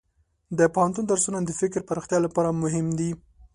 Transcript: د پوهنتون درسونه د فکر پراختیا لپاره مهم دي.